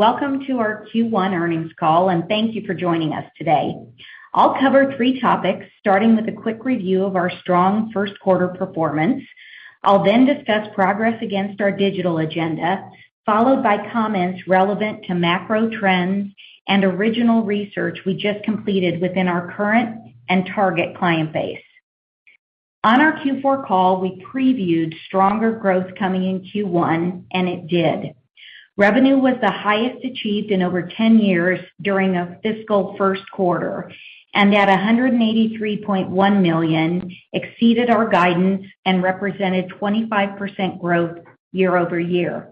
Welcome to our Q1 earnings call. Thank you for joining us today. I'll cover three topics, starting with a quick review of our strong first quarter performance. I'll discuss progress against our digital agenda, followed by comments relevant to macro trends and original research we just completed within our current and target client base. On our Q4 call, we previewed stronger growth coming in Q1. It did. Revenue was the highest achieved in over 10 years during a fiscal first quarter. At $183.1 million, exceeded our guidance and represented 25% growth year-over-year.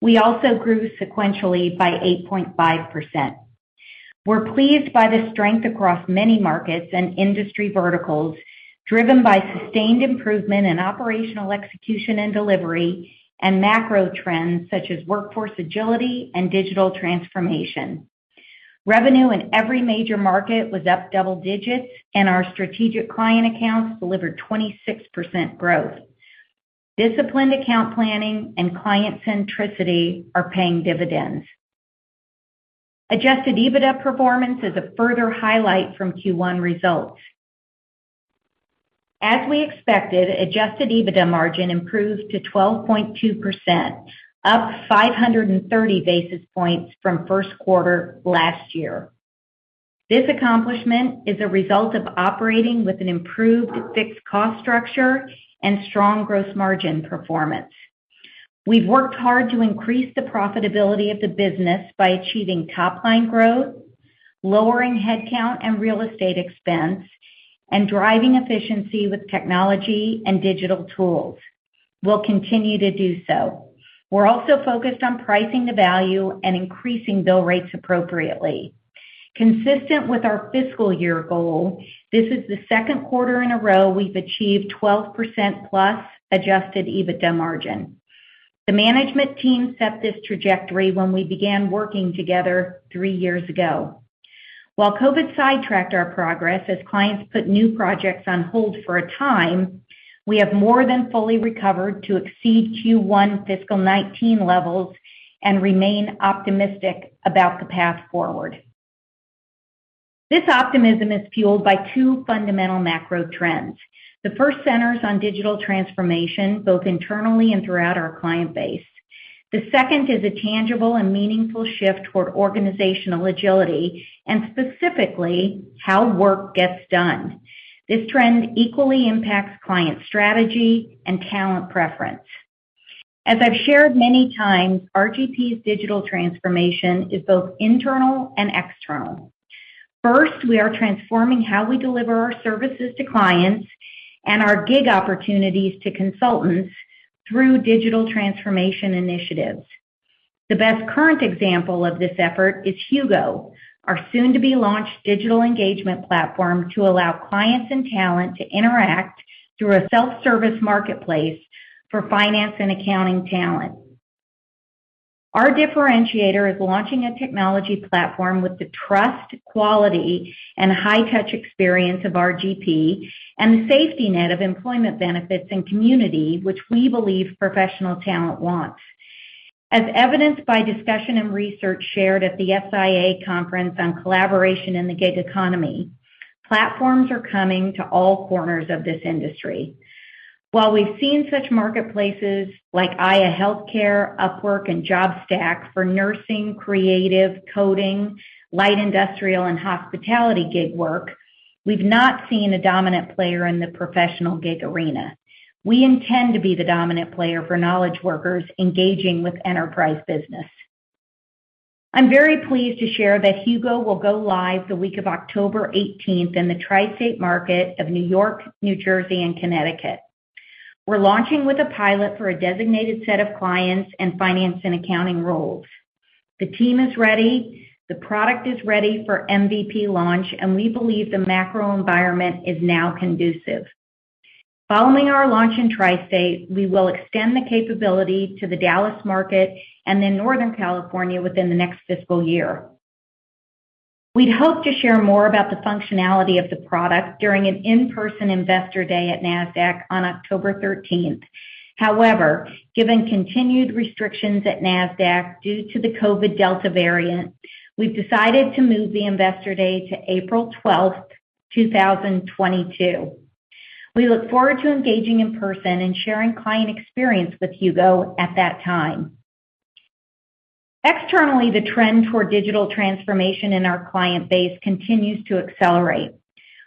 We also grew sequentially by 8.5%. We're pleased by the strength across many markets and industry verticals, driven by sustained improvement in operational execution and delivery, and macro trends such as workforce agility and digital transformation. Revenue in every major market was up double digits, and our strategic client accounts delivered 26% growth. Disciplined account planning and client centricity are paying dividends. Adjusted EBITDA performance is a further highlight from Q1 results. As we expected, Adjusted EBITDA margin improved to 12.2%, up 530 basis points from first quarter last year. This accomplishment is a result of operating with an improved fixed cost structure and strong gross margin performance. We've worked hard to increase the profitability of the business by achieving top-line growth, lowering headcount and real estate expense, and driving efficiency with technology and digital tools. We'll continue to do so. We're also focused on pricing to value and increasing bill rates appropriately. Consistent with our fiscal year goal, this is the second quarter in a row we've achieved 12%+ Adjusted EBITDA margin. The management team set this trajectory when we began working together three years ago. While COVID sidetracked our progress as clients put new projects on hold for a time, we have more than fully recovered to exceed Q1 fiscal 2019 levels and remain optimistic about the path forward. This optimism is fueled by two fundamental macro trends. The first centers on digital transformation, both internally and throughout our client base. The second is a tangible and meaningful shift toward organizational agility, and specifically how work gets done. This trend equally impacts client strategy and talent preference. As I've shared many times, RGP's digital transformation is both internal and external. First, we are transforming how we deliver our services to clients and our gig opportunities to consultants through digital transformation initiatives. The best current example of this effort is HUGO, our soon-to-be-launched digital engagement platform to allow clients and talent to interact through a self-service marketplace for finance and accounting talent. Our differentiator is launching a technology platform with the trust, quality, and high-touch experience of RGP and the safety net of employment benefits and community, which we believe professional talent wants. As evidenced by discussion and research shared at the SIA conference on collaboration in the gig economy, platforms are coming to all corners of this industry. While we've seen such marketplaces like Aya Healthcare, Upwork, and JobStack for nursing, creative coding, light industrial, and hospitality gig work, we've not seen a dominant player in the professional gig arena. We intend to be the dominant player for knowledge workers engaging with enterprise business. I'm very pleased to share that HUGO will go live the week of October 18th in the tri-state market of New York, New Jersey, and Connecticut. We're launching with a pilot for a designated set of clients and finance and accounting roles. The team is ready. The product is ready for MVP launch, and we believe the macro environment is now conducive. Following our launch in tri-state, we will extend the capability to the Dallas market and then Northern California within the next fiscal year. We'd hoped to share more about the functionality of the product during an In-Person Investor Day at Nasdaq on October 13th. However, given continued restrictions at Nasdaq due to the COVID Delta variant, we've decided to move the investor day to April 12th, 2022. We look forward to engaging in person and sharing client experience with HUGO at that time. Externally, the trend toward digital transformation in our client base continues to accelerate.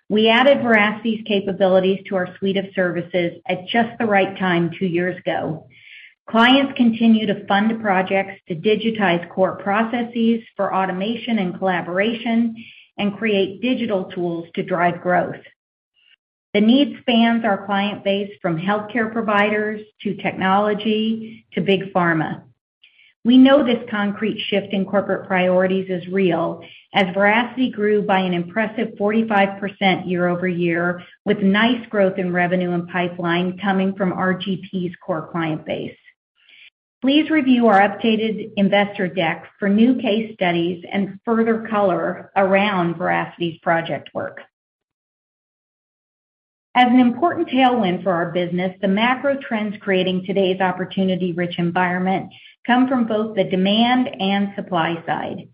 We added Veracity's capabilities to our suite of services at just the right time two years ago. Clients continue to fund projects to digitize core processes for automation and collaboration and create digital tools to drive growth. The need spans our client base from healthcare providers to technology to big pharma. We know this concrete shift in corporate priorities is real, as Veracity grew by an impressive 45% year-over-year, with nice growth in revenue and pipeline coming from RGP's core client base. Please review our updated investor deck for new case studies and further color around Veracity's project work. As an important tailwind for our business, the macro trends creating today's opportunity-rich environment come from both the demand and supply side.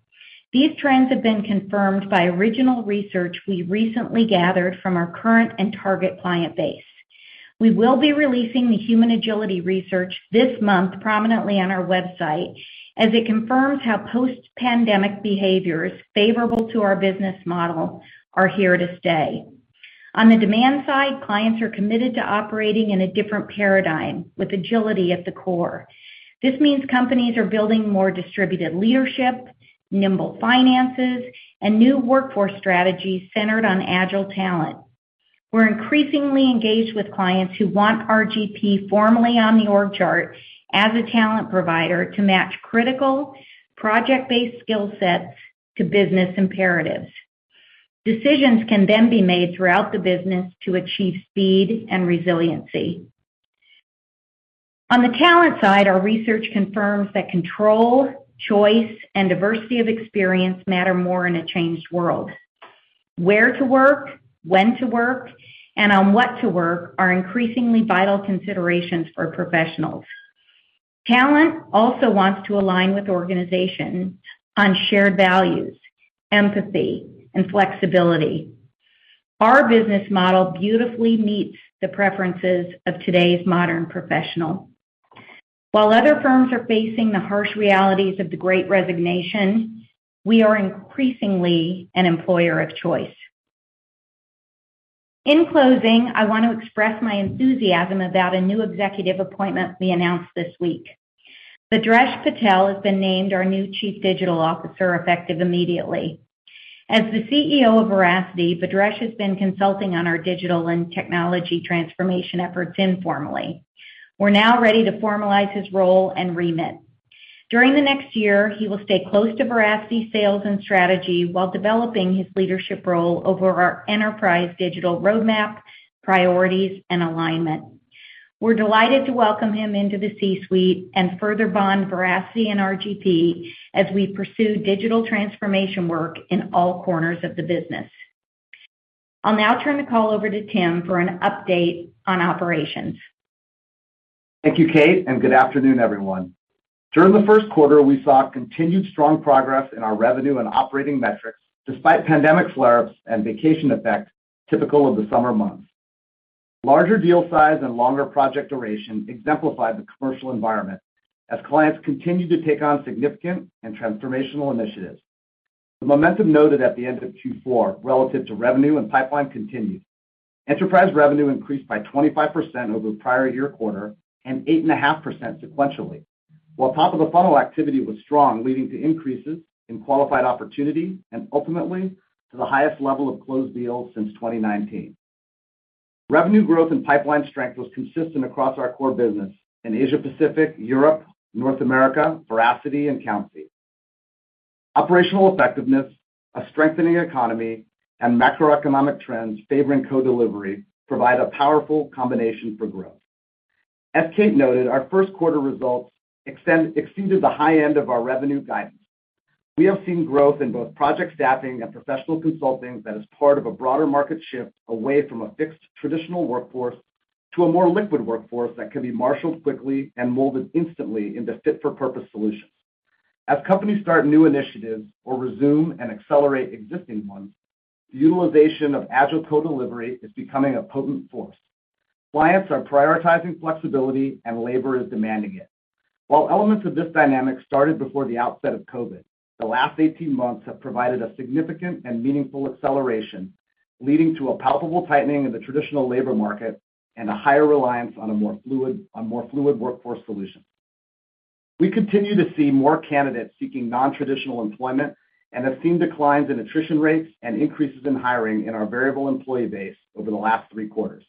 These trends have been confirmed by original research we recently gathered from our current and target client base. We will be releasing the human agility research this month prominently on our website as it confirms how post-pandemic behaviors favorable to our business model are here to stay. On the demand side, clients are committed to operating in a different paradigm with agility at the core. This means companies are building more distributed leadership, nimble finances, and new workforce strategies centered on agile talent. We're increasingly engaged with clients who want RGP formally on the org chart as a talent provider to match critical project-based skill sets to business imperatives. Decisions can then be made throughout the business to achieve speed and resiliency. On the talent side, our research confirms that control, choice, and diversity of experience matter more in a changed world. Where to work, when to work, and on what to work are increasingly vital considerations for professionals. Talent also wants to align with organizations on shared values, empathy, and flexibility. Our business model beautifully meets the preferences of today's modern professional. While other firms are facing the harsh realities of the great resignation, we are increasingly an employer of choice. In closing, I want to express my enthusiasm about a new executive appointment we announced this week. Bhadresh Patel has been named our new Chief Digital Officer effective immediately. As the CEO of Veracity, Bhadresh has been consulting on our digital and technology transformation efforts informally. We're now ready to formalize his role and remit. During the next year, he will stay close to Veracity sales and strategy while developing his leadership role over our enterprise digital roadmap, priorities, and alignment. We're delighted to welcome him into the C-suite and further bond Veracity and RGP as we pursue digital transformation work in all corners of the business. I'll now turn the call over to Tim for an update on operations. Thank you, Kate, and good afternoon, everyone. During the first quarter, we saw continued strong progress in our revenue and operating metrics despite pandemic flare-ups and vacation effect typical of the summer months. Larger deal size and longer project duration exemplify the commercial environment as clients continue to take on significant and transformational initiatives. The momentum noted at the end of Q4 relative to revenue and pipeline continued. Enterprise revenue increased by 25% over the prior year quarter and 8.5% sequentially, while top-of-the-funnel activity was strong, leading to increases in qualified opportunity and ultimately to the highest level of closed deals since 2019. Revenue growth and pipeline strength was consistent across our core business in Asia Pacific, Europe, North America, Veracity, and Countsy. Operational effectiveness, a strengthening economy, and macroeconomic trends favoring co-delivery provide a powerful combination for growth. As Kate noted, our first quarter results exceeded the high end of our revenue guidance. We have seen growth in both project staffing and professional consulting that is part of a broader market shift away from a fixed traditional workforce to a more liquid workforce that can be marshaled quickly and molded instantly into fit-for-purpose solutions. As companies start new initiatives or resume and accelerate existing ones, the utilization of agile co-delivery is becoming a potent force. Clients are prioritizing flexibility, and labor is demanding it. While elements of this dynamic started before the outset of COVID, the last 18 months have provided a significant and meaningful acceleration, leading to a palpable tightening of the traditional labor market and a higher reliance on more fluid workforce solutions. We continue to see more candidates seeking non-traditional employment and have seen declines in attrition rates and increases in hiring in our variable employee base over the last three quarters.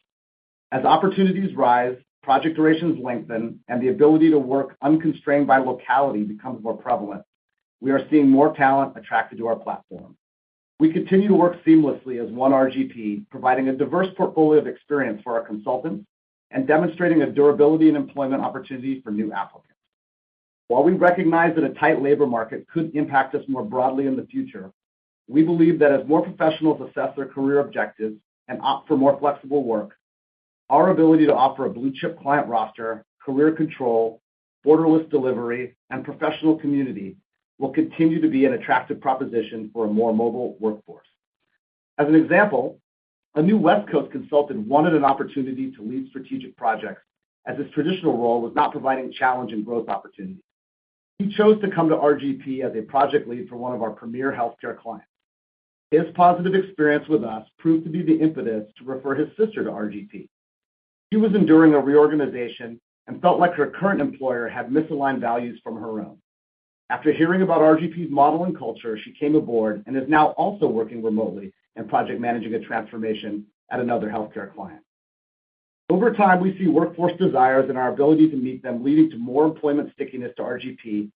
As opportunities rise, project durations lengthen, and the ability to work unconstrained by locality becomes more prevalent, we are seeing more talent attracted to our platform. We continue to work seamlessly as one RGP, providing a diverse portfolio of experience for our consultants and demonstrating a durability in employment opportunity for new applicants. While we recognize that a tight labor market could impact us more broadly in the future, we believe that as more professionals assess their career objectives and opt for more flexible work, our ability to offer a blue-chip client roster, career control, borderless delivery, and professional community will continue to be an attractive proposition for a more mobile workforce. As an example, a new West Coast consultant wanted an opportunity to lead strategic projects as his traditional role was not providing challenge and growth opportunities. He chose to come to RGP as a project lead for one of our premier healthcare clients. His positive experience with us proved to be the impetus to refer his sister to RGP. She was enduring a reorganization and felt like her current employer had misaligned values from her own. After hearing about RGP's model and culture, she came aboard and is now also working remotely and project managing a transformation at another healthcare client. Over time, we see workforce desires and our ability to meet them leading to more employment stickiness to RGP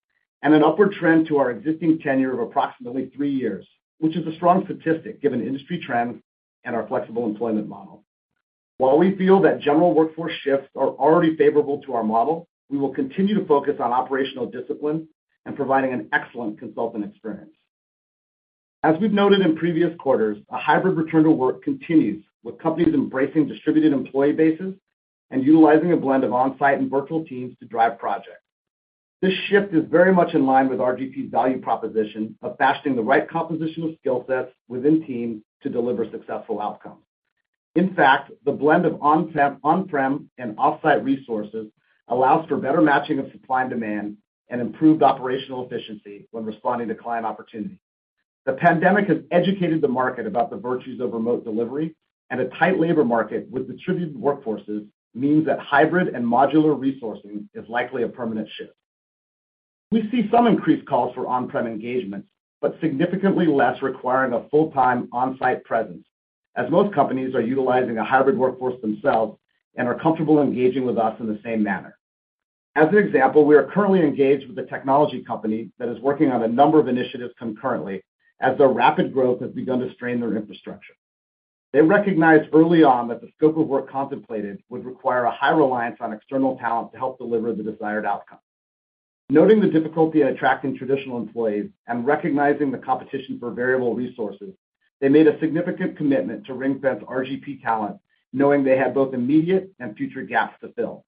and an upward trend to our existing tenure of approximately three years, which is a strong statistic given industry trends and our flexible employment model. While we feel that general workforce shifts are already favorable to our model, we will continue to focus on operational discipline and providing an excellent consultant experience. As we've noted in previous quarters, a hybrid return to work continues with companies embracing distributed employee bases and utilizing a blend of on-site and virtual teams to drive projects. This shift is very much in line with RGP's value proposition of fashioning the right composition of skill sets within teams to deliver successful outcomes. In fact, the blend of on-prem and off-site resources allows for better matching of supply and demand and improved operational efficiency when responding to client opportunities. The pandemic has educated the market about the virtues of remote delivery, and a tight labor market with distributed workforces means that hybrid and modular resourcing is likely a permanent shift. We see some increased calls for on-prem engagement, but significantly less requiring a full-time on-site presence, as most companies are utilizing a hybrid workforce themselves and are comfortable engaging with us in the same manner. As an example, we are currently engaged with a technology company that is working on a number of initiatives concurrently as their rapid growth has begun to strain their infrastructure. They recognized early on that the scope of work contemplated would require a high reliance on external talent to help deliver the desired outcome. Noting the difficulty in attracting traditional employees and recognizing the competition for variable resources, they made a significant commitment to ring-fence RGP talent, knowing they had both immediate and future gaps to fill.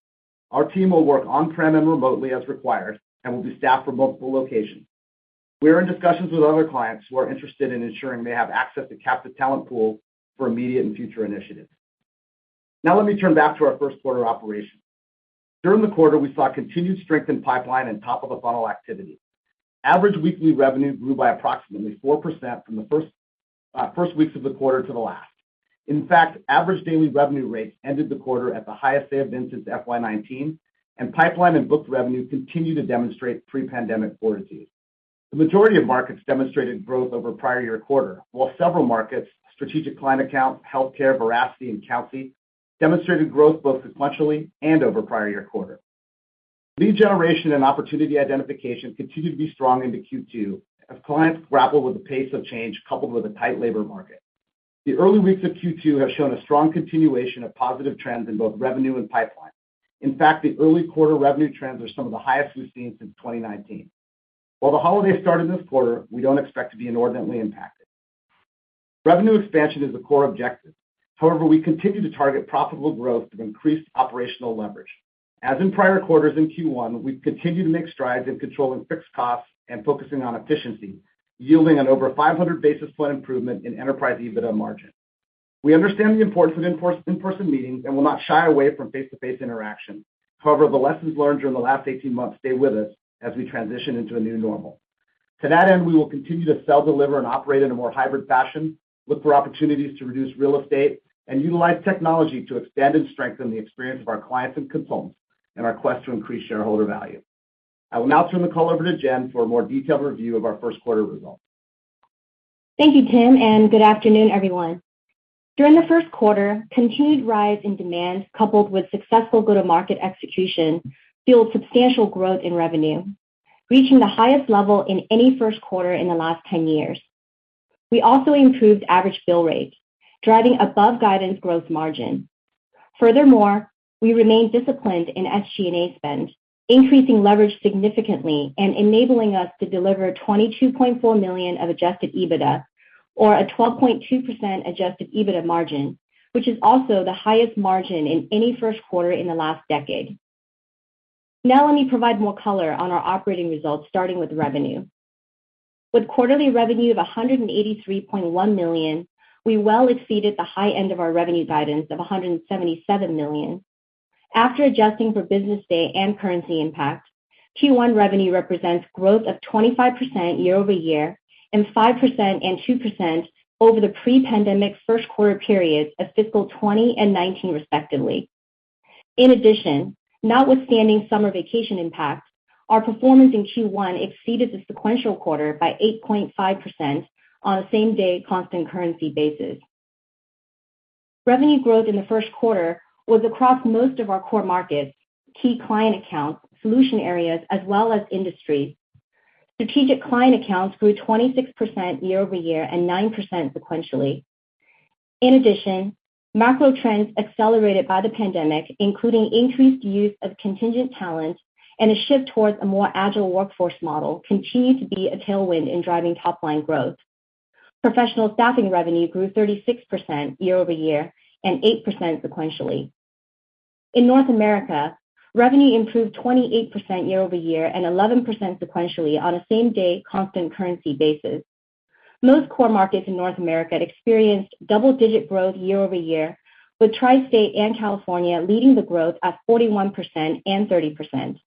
Our team will work on-prem and remotely as required and will be staffed for multiple locations. We are in discussions with other clients who are interested in ensuring they have access to captive talent pool for immediate and future initiatives. Now let me turn back to our first quarter operations. During the quarter, we saw continued strength in pipeline and top-of-the-funnel activity. Average weekly revenue grew by approximately 4% from the first weeks of the quarter to the last. In fact, average daily revenue rates ended the quarter at the highest they have been since FY19, and pipeline and booked revenue continue to demonstrate pre-pandemic fortitude. The majority of markets demonstrated growth over prior year quarter, while several markets, strategic client accounts, healthcare, Veracity, and Countsy, demonstrated growth both sequentially and over prior year quarter. Lead generation and opportunity identification continued to be strong into Q2 as clients grapple with the pace of change coupled with a tight labor market. The early weeks of Q2 have shown a strong continuation of positive trends in both revenue and pipeline. In fact, the early quarter revenue trends are some of the highest we've seen since 2019. While the holidays start in this quarter, we don't expect to be inordinately impacted. Revenue expansion is a core objective. However, we continue to target profitable growth through increased operational leverage. As in prior quarters in Q1, we've continued to make strides in controlling fixed costs and focusing on efficiency, yielding an over 500 basis point improvement in enterprise EBITDA margin. We understand the importance of in-person meetings and will not shy away from face-to-face interaction. However, the lessons learned during the last 18 months stay with us as we transition into a new normal. To that end, we will continue to sell, deliver, and operate in a more hybrid fashion, look for opportunities to reduce real estate, and utilize technology to expand and strengthen the experience of our clients and consultants in our quest to increase shareholder value. I will now turn the call over to Jen for a more detailed review of our first quarter results. Thank you, Tim, and good afternoon, everyone. During the first quarter, continued rise in demand, coupled with successful go-to-market execution, fueled substantial growth in revenue, reaching the highest level in any first quarter in the last 10 years. We also improved average bill rates, driving above-guidance gross margin. Furthermore, we remained disciplined in SG&A spend, increasing leverage significantly and enabling us to deliver $22.4 million of Adjusted EBITDA or a 12.2% Adjusted EBITDA margin, which is also the highest margin in any first quarter in the last decade. Now let me provide more color on our operating results, starting with revenue. With quarterly revenue of $183.1 million, we well exceeded the high end of our revenue guidance of $177 million. After adjusting for business day and currency impact, Q1 revenue represents growth of 25% year over year and 5% and 2% over the pre-pandemic first quarter periods of fiscal 2020 and 2019, respectively. In addition, notwithstanding summer vacation impact, our performance in Q1 exceeded the sequential quarter by 8.5% on a same-day constant currency basis. Revenue growth in the first quarter was across most of our core markets, key client accounts, solution areas, as well as industries. Strategic client accounts grew 26% year over year and 9% sequentially. In addition, macro trends accelerated by the pandemic, including increased use of contingent talent and a shift towards a more agile workforce model, continue to be a tailwind in driving top-line growth. Professional staffing revenue grew 36% year-over-year and 8% sequentially. In North America, revenue improved 28% year over year and 11% sequentially on a same-day constant currency basis. Most core markets in North America experienced double-digit growth year-over-year, with Tri-State and California leading the growth at 41% and 30%.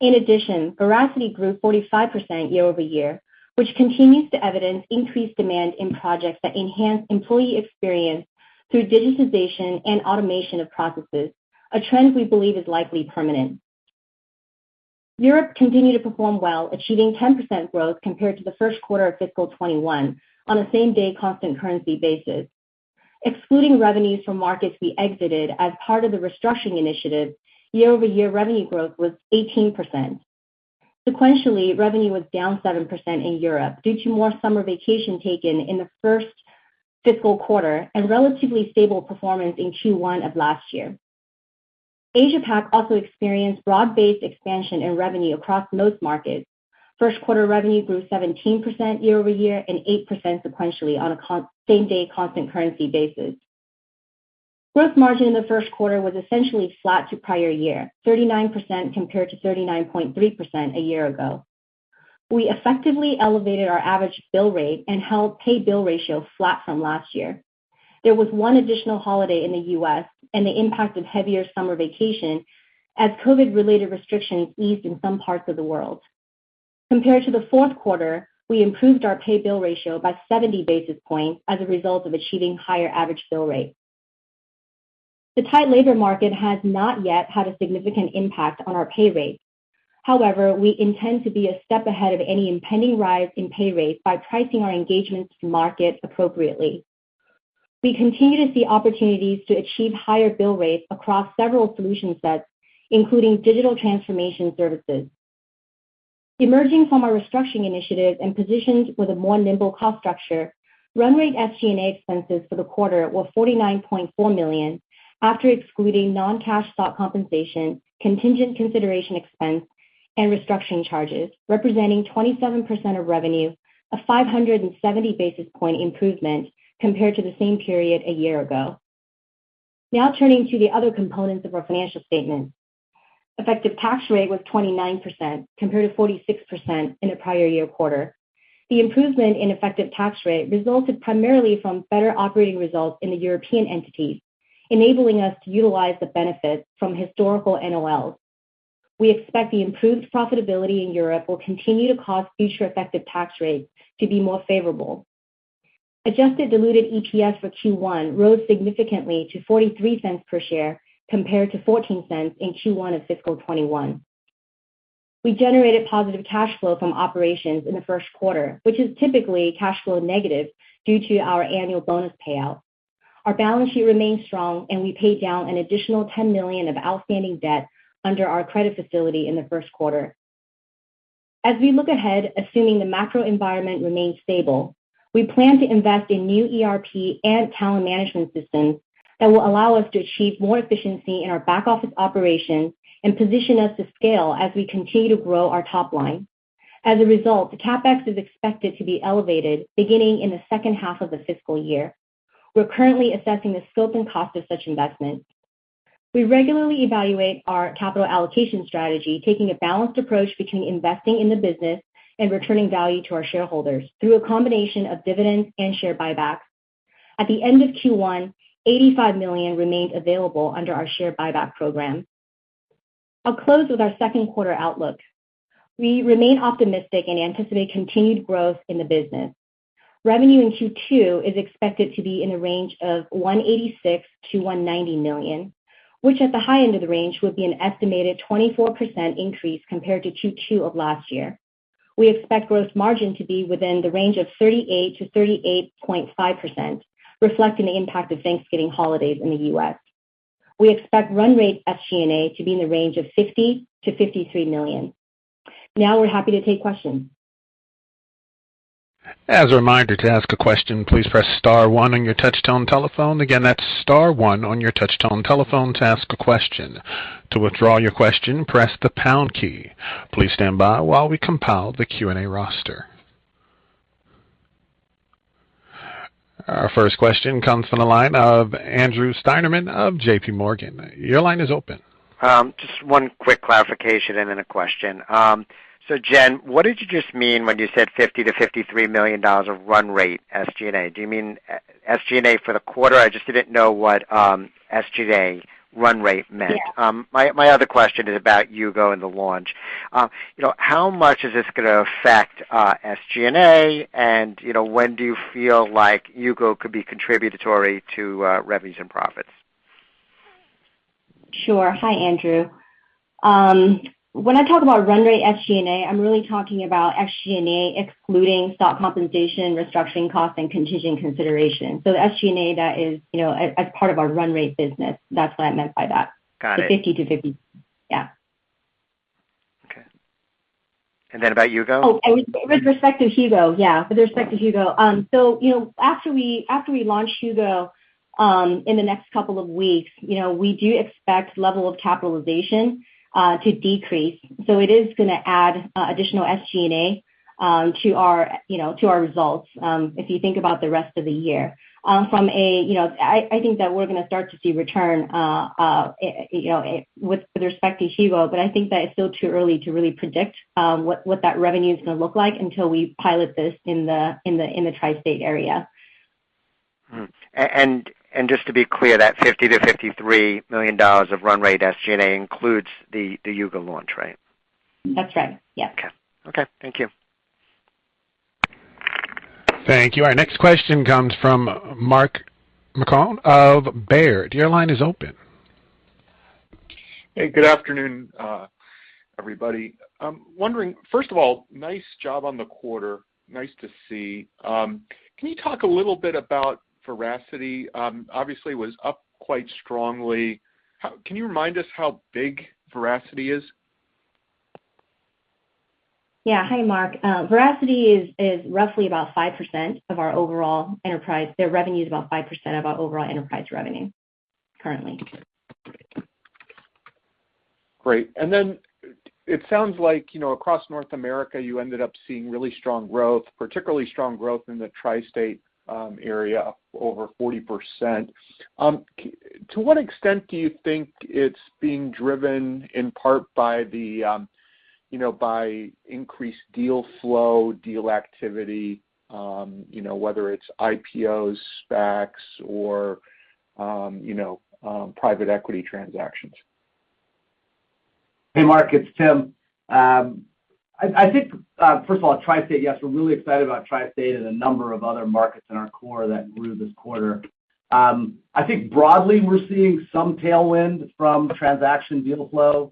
In addition, Veracity grew 45% year-over-year, which continues to evidence increased demand in projects that enhance employee experience through digitization and automation of processes, a trend we believe is likely permanent. Europe continued to perform well, achieving 10% growth compared to the first quarter of fiscal 2021 on a same-day constant currency basis. Excluding revenues from markets we exited as part of the restructuring initiative, year-over-year revenue growth was 18%. Sequentially, revenue was down 7% in Europe due to more summer vacation taken in the first fiscal quarter and relatively stable performance in Q1 of last year. Asia Pac also experienced broad-based expansion in revenue across most markets. First quarter revenue grew 17% year-over-year and 8% sequentially on a same-day constant currency basis. Gross margin in the first quarter was essentially flat to prior year, 39% compared to 39.3% a year ago. We effectively elevated our average bill rate and held pay-bill ratio flat from last year. There was one additional holiday in the U.S. and the impact of heavier summer vacation as COVID-related restrictions eased in some parts of the world. Compared to the fourth quarter, we improved our pay-bill ratio by 70 basis points as a result of achieving higher average bill rates. The tight labor market has not yet had a significant impact on our pay rates. However, we intend to be a step ahead of any impending rise in pay rates by pricing our engagements to market appropriately. We continue to see opportunities to achieve higher bill rates across several solution sets, including digital transformation services. Emerging from our restructuring initiatives and positioned with a more nimble cost structure, run rate SG&A expenses for the quarter were $49.4 million, after excluding non-cash stock compensation, contingent consideration expense, and restructuring charges, representing 27% of revenue, a 570 basis point improvement compared to the same period a year ago. Turning to the other components of our financial statement. Effective tax rate was 29% compared to 46% in the prior year quarter. The improvement in effective tax rate resulted primarily from better operating results in the European entities, enabling us to utilize the benefits from historical NOLs. We expect the improved profitability in Europe will continue to cause future effective tax rates to be more favorable. Adjusted diluted EPS for Q1 rose significantly to $0.43 per share compared to $0.14 in Q1 of fiscal 2021. We generated positive cash flow from operations in the first quarter, which is typically cash flow negative due to our annual bonus payout. Our balance sheet remains strong, and we paid down an additional $10 million of outstanding debt under our credit facility in the first quarter. As we look ahead, assuming the macro environment remains stable, we plan to invest in new ERP and talent management systems that will allow us to achieve more efficiency in our back office operations and position us to scale as we continue to grow our top line. As a result, the CapEx is expected to be elevated beginning in the second half of the fiscal year. We're currently assessing the scope and cost of such investment. We regularly evaluate our capital allocation strategy, taking a balanced approach between investing in the business and returning value to our shareholders through a combination of dividends and share buybacks. At the end of Q1, $85 million remained available under our share buyback program. I'll close with our second quarter outlook. We remain optimistic and anticipate continued growth in the business. Revenue in Q2 is expected to be in the range of $186 million-$190 million, which at the high end of the range would be an estimated 24% increase compared to Q2 of last year. We expect gross margin to be within the range of 38%-38.5%, reflecting the impact of Thanksgiving holidays in the U.S. We expect run rate SG&A to be in the range of $50 million-$53 million. Now we're happy to take questions. As a reminder, to ask a question, please press star one on your touchtone telephone. Again, that's star one on your touchtone telephone to ask a question. To withdraw your question, press the pound key. Please stand by while we compile the Q&A roster. Our first question comes from the line of Andrew Steinerman of JPMorgan. Your line is open. Just one quick clarification and then a question. Jen, what did you just mean when you said $50 million-$53 million of run rate SG&A? Do you mean SG&A for the quarter? I just didn't know what SG&A run rate meant. Yeah. My other question is about HUGO and the launch. How much is this going to affect SG&A, and when do you feel like HUGO could be contributory to revenues and profits? Sure. Hi, Andrew. When I talk about run rate SG&A, I'm really talking about SG&A excluding stock compensation, restructuring costs, and contingent consideration, so the SG&A that is as part of our run rate business. That's what I meant by that. Got it. The 50%-53%. Yeah. Okay. Then about HUGO? With respect to Hugo. After we launch Hugo in the next couple of weeks, we do expect level of capitalization to decrease. It is going to add additional SG&A to our results, if you think about the rest of the year. I think that we're going to start to see return with respect to Hugo, but I think that it's still too early to really predict what that revenue is going to look like until we pilot this in the tri-state area. Just to be clear, that $50 million-$53 million of run rate SG&A includes the HUGO launch, right? That's right. Yep. Okay. Okay. Thank you. Thank you. Our next question comes from Mark Marcon of Baird. Your line is open. Hey, good afternoon everybody. First of all, nice job on the quarter. Nice to see. Can you talk a little bit about Veracity? Obviously it was up quite strongly. Can you remind us how big Veracity is? Hi, Mark. Veracity is roughly about 5% of our overall enterprise. Their revenue is about 5% of our overall enterprise revenue currently. Great. It sounds like, across North America, you ended up seeing really strong growth, particularly strong growth in the Tri-state area, over 40%. To what extent do you think it's being driven in part by increased deal flow, deal activity, whether it's IPOs, SPACs, or private equity transactions? Hey, Mark, it's Tim. First of all, Tri-State, yes, we're really excited about Tri-State and a number of other markets in our core that grew this quarter. Broadly, we're seeing some tailwind from transaction deal flow,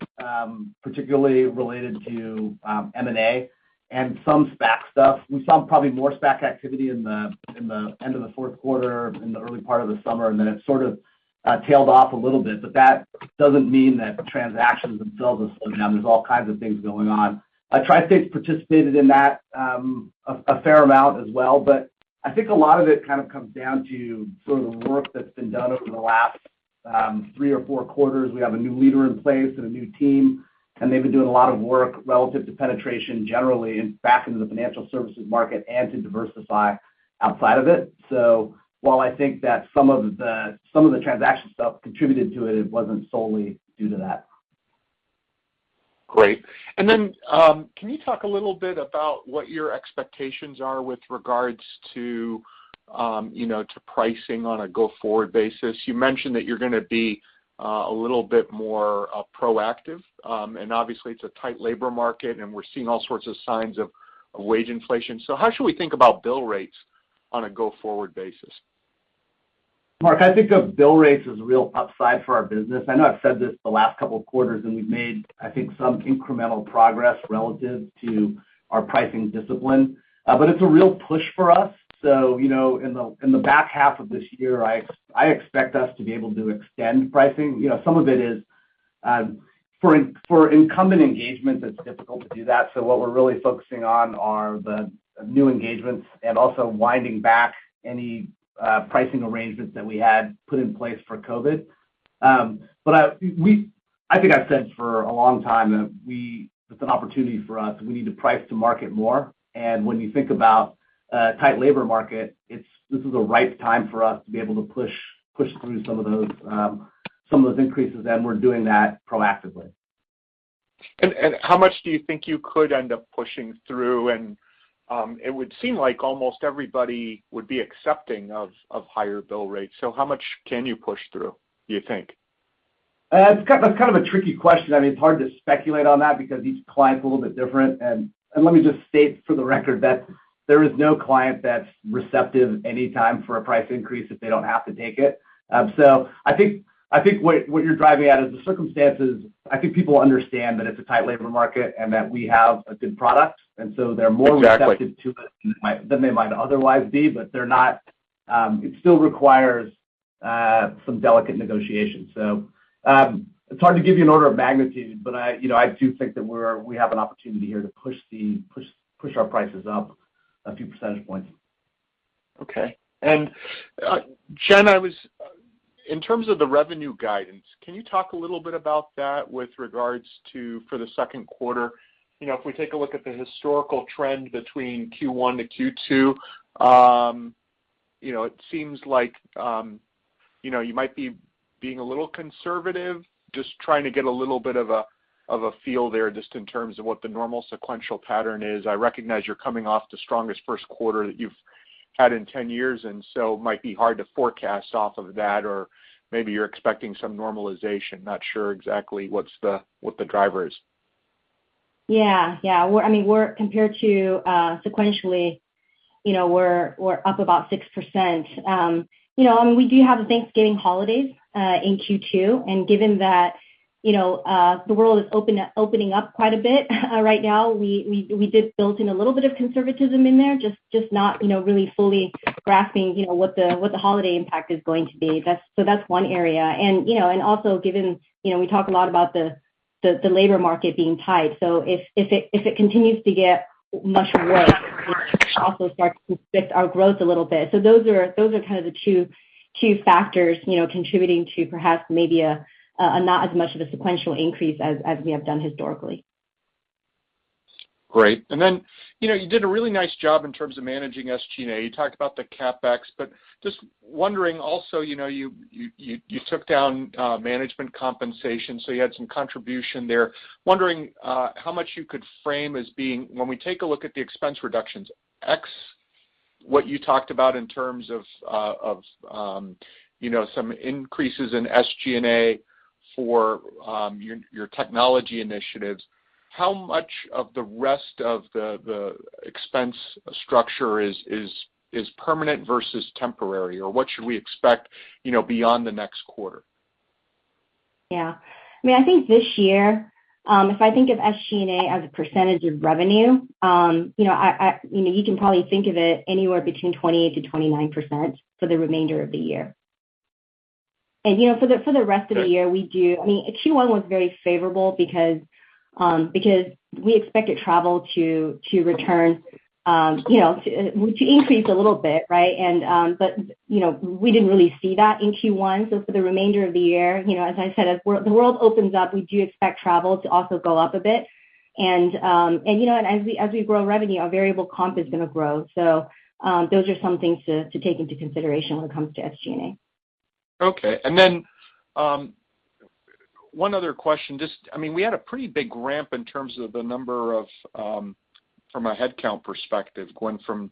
particularly related to M&A and some SPAC stuff. We saw probably more SPAC activity in the end of the fourth quarter, in the early part of the summer, then it sort of tailed off a little bit. That doesn't mean that the transactions themselves are slowing down. There's all kinds of things going on. Tri-State's participated in that a fair amount as well, a lot of it comes down to the work that's been done over the last three or four quarters. We have a new leader in place and a new team. They've been doing a lot of work relative to penetration generally and back into the financial services market and to diversify outside of it. While I think that some of the transaction stuff contributed to it wasn't solely due to that. Great. Then, can you talk a little bit about what your expectations are with regards to pricing on a go-forward basis? You mentioned that you're going to be a little bit more proactive. Obviously, it's a tight labor market, and we're seeing all sorts of signs of wage inflation. How should we think about bill rates on a go-forward basis? Mark, I think the bill rates is a real upside for our business. I know I've said this the last couple of quarters, and we've made, I think, some incremental progress relative to our pricing discipline. It's a real push for us. In the back half of this year, I expect us to be able to extend pricing. Some of it is for incumbent engagements, it's difficult to do that, so what we're really focusing on are the new engagements and also winding back any pricing arrangements that we had put in place for COVID. I think I've said for a long time, it's an opportunity for us. We need to price to market more. When you think about a tight labor market, this is a ripe time for us to be able to push through some of those increases, and we're doing that proactively. How much do you think you could end up pushing through? It would seem like almost everybody would be accepting of higher bill rates. How much can you push through, do you think? That's kind of a tricky question. It's hard to speculate on that because each client's a little bit different. Let me just state for the record that there is no client that's receptive any time for a price increase if they don't have to take it. I think what you're driving at is the circumstances. I think people understand that it's a tight labor market and that we have a good product. Exactly receptive to it than they might otherwise be, but it still requires some delicate negotiation. It's hard to give you an order of magnitude, but I do think that we have an opportunity here to push our prices up a few percentage points. Okay. Jen, in terms of the revenue guidance, can you talk a little bit about that with regards to for the second quarter? If we take a look at the historical trend between Q1 to Q2, it seems like you might be being a little conservative. Just trying to get a little bit of a feel there just in terms of what the normal sequential pattern is. I recognize you're coming off the strongest first quarter that you've had in 10 years, so it might be hard to forecast off of that. Maybe you're expecting some normalization. Not sure exactly what the driver is. Yeah. Compared to sequentially, we're up about 6%. We do have the Thanksgiving holidays, in Q2. Given that the world is opening up quite a bit right now, we did build in a little bit of conservatism in there, just not really fully grasping what the holiday impact is going to be. That's one area. Also given we talk a lot about the labor market being tight. If it continues to get much worse, it could also start to affect our growth a little bit. Those are kind of the two factors contributing to perhaps maybe not as much of a sequential increase as we have done historically. Great. You did a really nice job in terms of managing SG&A. You talked about the CapEx, but just wondering also, you took down management compensation, so you had some contribution there. Wondering how much you could frame as being, when we take a look at the expense reductions, X, what you talked about in terms of some increases in SG&A for your technology initiatives. How much of the rest of the expense structure is permanent versus temporary, or what should we expect beyond the next quarter? I think this year, if I think of SG&A as a percentage of revenue, you can probably think of it anywhere between 28%-29% for the remainder of the year. For the rest of the year, we do. Q1 was very favorable because we expected travel to increase a little bit. We didn't really see that in Q1. For the remainder of the year, as I said, as the world opens up, we do expect travel to also go up a bit. As we grow revenue, our variable comp is going to grow. Those are some things to take into consideration when it comes to SG&A. Okay. One other question. We had a pretty big ramp in terms of the number of, from a headcount perspective, going from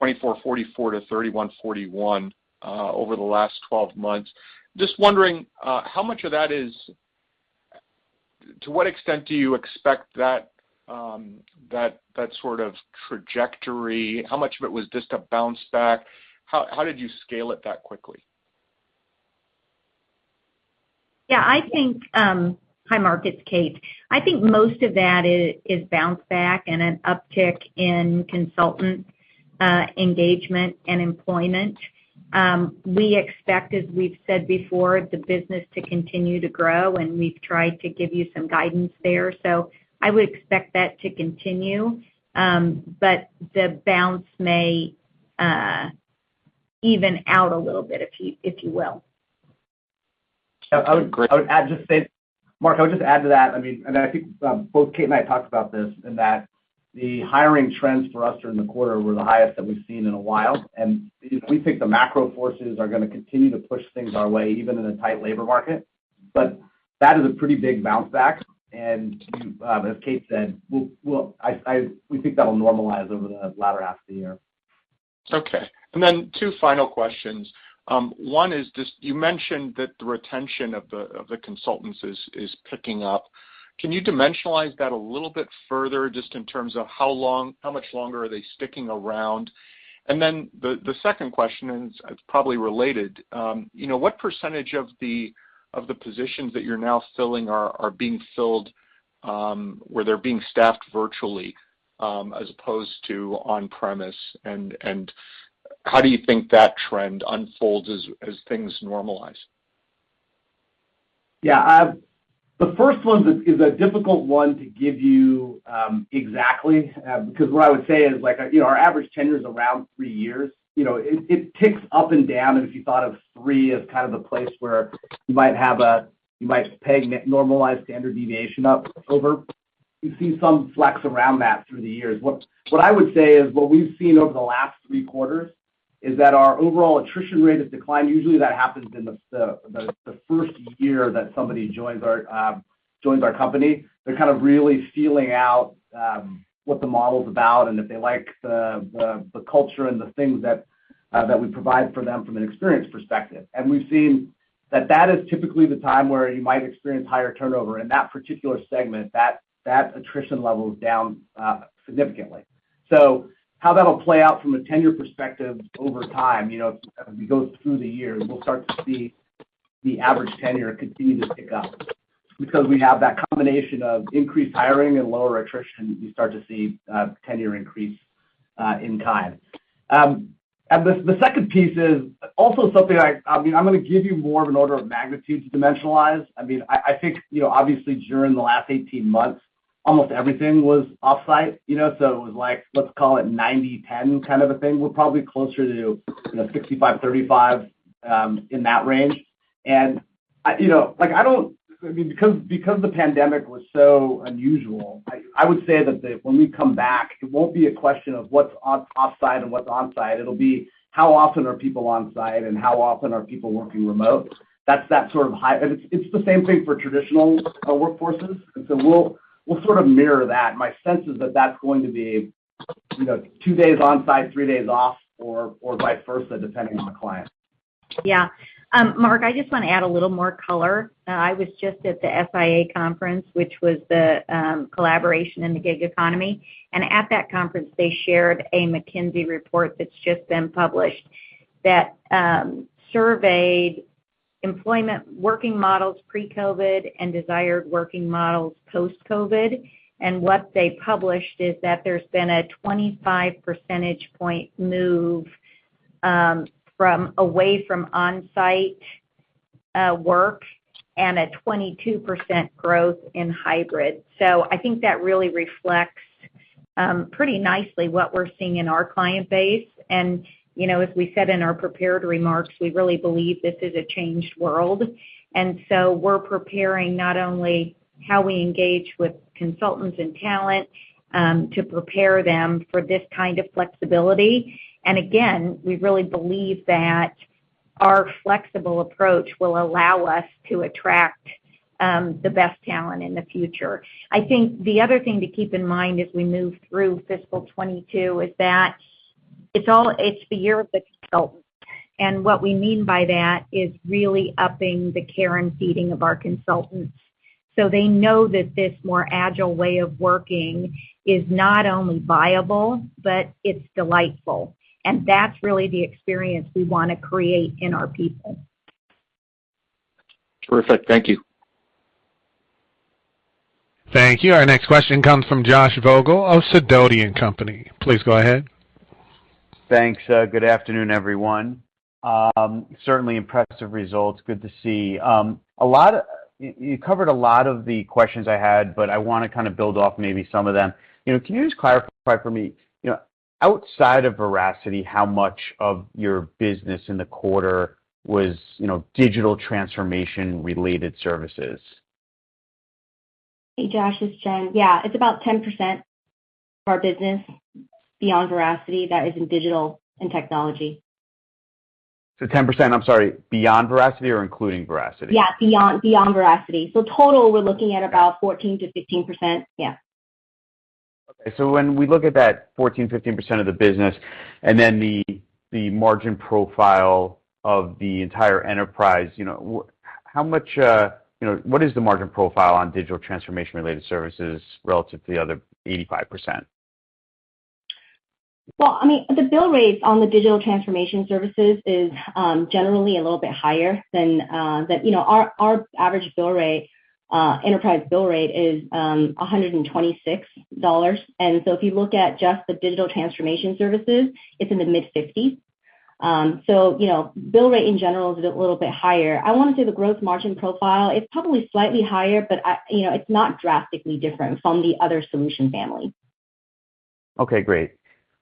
2,444 to 3,141 over the last 12 months. Just wondering, to what extent do you expect that sort of trajectory? How much of it was just a bounce back? How did you scale it that quickly? Yeah, I think. Hi, Mark. It's Kate. I think most of that is bounce back and an uptick in consultant engagement and employment. We expect, as we've said before, the business to continue to grow, and we've tried to give you some guidance there. I would expect that to continue. The bounce may even out a little bit, if you will. Great. Mark, I would just add to that, and I think both Kate and I talked about this, in that the hiring trends for us during the quarter were the highest that we've seen in a while. We think the macro forces are going to continue to push things our way, even in a tight labor market. That is a pretty big bounce back. As Kate said, we think that'll normalize over the latter half of the year. Okay. Two final questions. One is, you mentioned that the retention of the consultants is picking up. Can you dimensionalize that a little bit further, just in terms of how much longer are they sticking around? Then, the second question, and it's probably related, what percentage of the positions that you're now filling are being filled where they're being staffed virtually as opposed to on-premise? How do you think that trend unfolds as things normalize? The first one is a difficult one to give you exactly, because what I would say is our average tenure is around three years. It ticks up and down, and if you thought of three as kind of the place where you might peg normalized standard deviation up over, you see some flex around that through the years. What I would say is what we've seen over the last three quarters is that our overall attrition rate has declined. Usually, that happens in the first year that somebody joins our company. They're kind of really feeling out what the model's about and if they like the culture and the things that we provide for them from an experience perspective. We've seen that that is typically the time where you might experience higher turnover. In that particular segment, that attrition level is down significantly. How that'll play out from a tenure perspective over time, as we go through the year, we'll start to see the average tenure continue to tick up. Because we have that combination of increased hiring and lower attrition, we start to see tenure increase in time. The second piece is also something I'm going to give you more of an order of magnitude to dimensionalize. I think, obviously, during the last 18 months, almost everything was off-site. It was like, let's call it 90/10 kind of a thing. We're probably closer to 65/35, in that range. Because the pandemic was so unusual, I would say that when we come back, it won't be a question of what's off-site and what's on-site. It'll be how often are people on-site and how often are people working remote. It's the same thing for traditional workforces. We'll sort of mirror that. My sense is that that's going to be two days on-site, three days off, or vice versa, depending on the client. Yeah. Mark, I just want to add a little more color. I was just at the SIA conference, which was the collaboration in the gig economy. At that conference, they shared a McKinsey report that's just been published that surveyed employment working models pre-COVID and desired working models post-COVID. What they published is that there's been a 25 percentage point move away from on-site work and a 22% growth in hybrid. I think that really reflects pretty nicely what we're seeing in our client base. As we said in our prepared remarks, we really believe this is a changed world. We're preparing not only how we engage with consultants and talent to prepare them for this kind of flexibility. Again, we really believe that our flexible approach will allow us to attract the best talent in the future. I think the other thing to keep in mind as we move through fiscal 2022 is that it's the year of the consultant. What we mean by that is really upping the care and feeding of our consultants so they know that this more agile way of working is not only viable, but it's delightful. That's really the experience we want to create in our people. Perfect. Thank you. Thank you. Our next question comes from Josh Vogel of Sidoti & Company. Please go ahead. Thanks. Good afternoon, everyone. Certainly impressive results. Good to see. You covered a lot of the questions I had, but I want to build off maybe some of them. Can you just clarify for me, outside of Veracity, how much of your business in the quarter was digital transformation related services? Hey, Josh, it's Jen. Yeah, it's about 10% of our business beyond Veracity that is in digital and technology. 10%, I'm sorry, beyond Veracity or including Veracity? Yeah, beyond Veracity. Total, we're looking at about 14%-15%. Yeah. When we look at that 14%-15% of the business and then the margin profile of the entire enterprise, what is the margin profile on digital transformation related services relative to the other 85%? The bill rates on the digital transformation services is generally a little bit higher. Our average enterprise bill rate is $126. If you look at just the digital transformation services, it's in the mid-50s. Bill rate in general is a little bit higher. I want to say the gross margin profile, it's probably slightly higher, but it's not drastically different from the other solution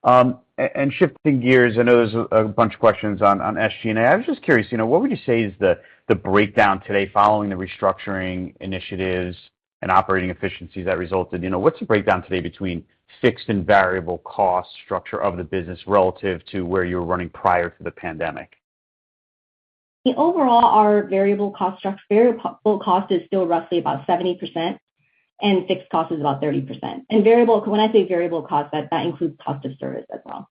family. Okay, great. Shifting gears, I know there's a bunch of questions on SG&A. I was just curious, what would you say is the breakdown today following the restructuring initiatives and operating efficiencies that resulted? What's the breakdown today between fixed and variable cost structure of the business relative to where you were running prior to the pandemic? Overall, our variable cost is still roughly about 70%, and fixed cost is about 30%. When I say variable cost, that includes cost of service as well.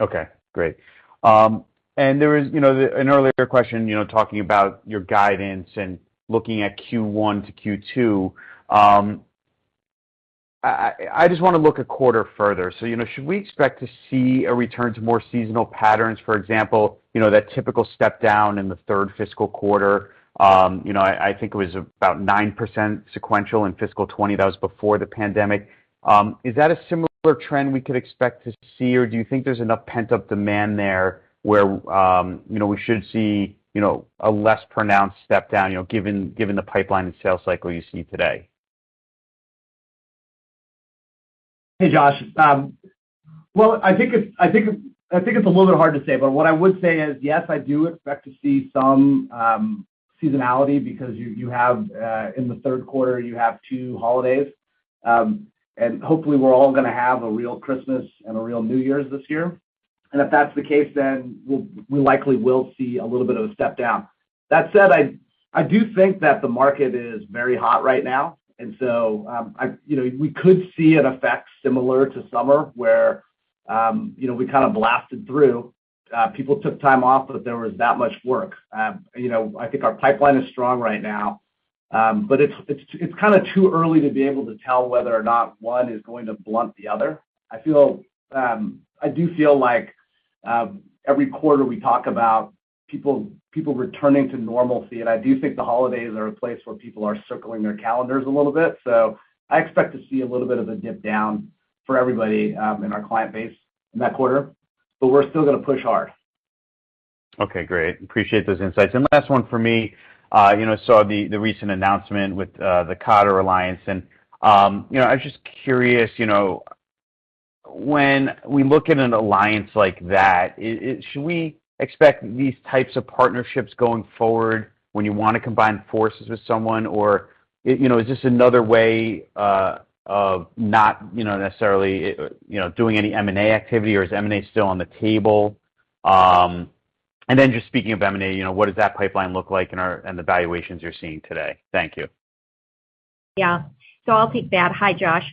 Okay, great. There was an earlier question talking about your guidance and looking at Q1 to Q2. I just want to look a quarter further. Should we expect to see a return to more seasonal patterns, for example, that typical step down in the third fiscal quarter? I think it was about 9% sequential in fiscal 2020. That was before the pandemic. Is that a similar trend we could expect to see, or do you think there's enough pent-up demand there where we should see a less pronounced step down given the pipeline and sales cycle you see today? Hey, Josh. Well, I think it's a little bit hard to say, but what I would say is, yes, I do expect to see some seasonality because in the third quarter, you have two holidays. Hopefully we're all going to have a real Christmas and a real New Year's this year. If that's the case, then we likely will see a little bit of a step down. That said, I do think that the market is very hot right now. We could see an effect similar to summer where we kind of blasted through. People took time off, but there was that much work. I think our pipeline is strong right now. It's kind of too early to be able to tell whether or not one is going to blunt the other. I do feel like every quarter we talk about people returning to normalcy, and I do think the holidays are a place where people are circling their calendars a little bit. I expect to see a little bit of a dip down for everybody in our client base in that quarter. We're still going to push hard. Okay, great. Appreciate those insights. Last one for me, I saw the recent announcement with the Kotter Alliance, and I was just curious, when we look at an alliance like that, should we expect these types of partnerships going forward when you want to combine forces with someone? Is this another way of not necessarily doing any M&A activity, or is M&A still on the table? Just speaking of M&A, what does that pipeline look like and the valuations you're seeing today? Thank you. Yeah. I'll take that. Hi, Josh.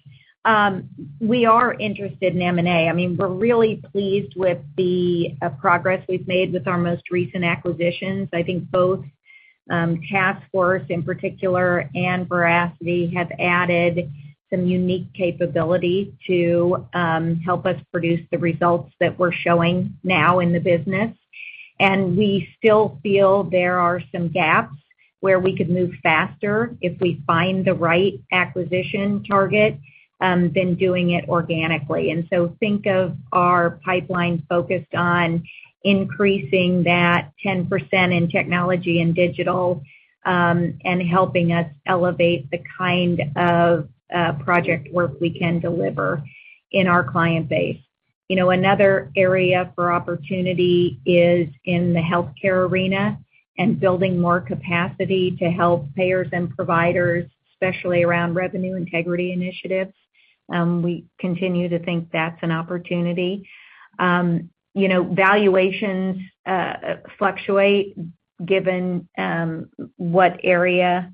We are interested in M&A. We're really pleased with the progress we've made with our most recent acquisitions. I think both taskforce in particular and Veracity have added some unique capability to help us produce the results that we're showing now in the business. We still feel there are some gaps where we could move faster if we find the right acquisition target than doing it organically. Think of our pipeline focused on increasing that 10% in technology and digital, and helping us elevate the kind of project work we can deliver in our client base. Another area for opportunity is in the healthcare arena and building more capacity to help payers and providers, especially around revenue integrity initiatives. We continue to think that's an opportunity. Valuations fluctuate given what area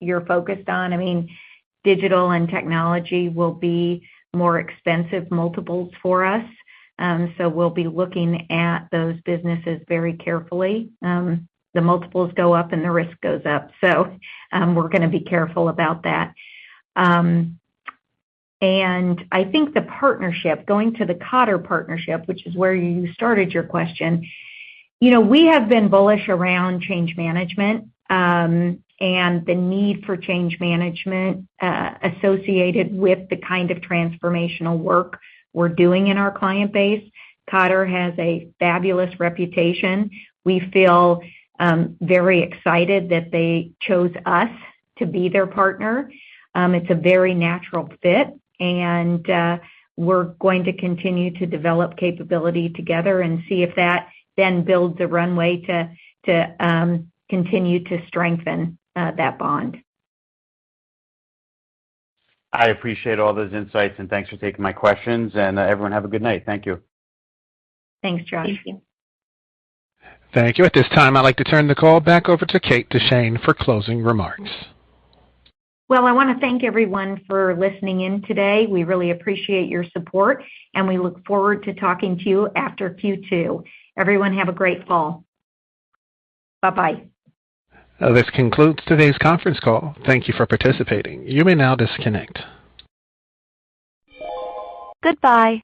you're focused on. Digital and technology will be more expensive multiples for us. We'll be looking at those businesses very carefully. The multiples go up and the risk goes up. We're going to be careful about that. I think the partnership, going to the Cotter partnership, which is where you started your question, we have been bullish around change management, and the need for change management associated with the kind of transformational work we're doing in our client base. Cotter has a fabulous reputation. We feel very excited that they chose us to be their partner. It's a very natural fit, and we're going to continue to develop capability together and see if that then builds a runway to continue to strengthen that bond. I appreciate all those insights and thanks for taking my questions. Everyone have a good night. Thank you. Thanks, Josh. Thank you. Thank you. At this time, I'd like to turn the call back over to Kate Duchene for closing remarks. Well, I want to thank everyone for listening in today. We really appreciate your support, and we look forward to talking to you after Q2. Everyone have a great fall. Bye-bye. This concludes today's conference call. Thank you for participating. You may now disconnect. Goodbye.